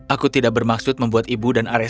aku tidak bermaksud membuat ibu dan ares